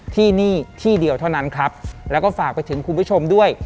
ที่นี่ที่เดียวเท่านั้นครับแล้วก็ฝากไปถึงคุณผู้ชมด้วย